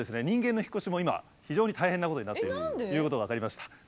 人間の引っ越しも今非常に大変なことになっているということが分かりました。